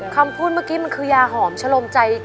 คำพูดเมื่อกี้มันคือยาหอมชะลมใจ